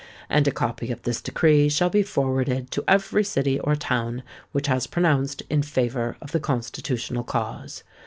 "And a copy of this decree shall be forwarded to every city or town which has pronounced in favour of the Constitutional cause.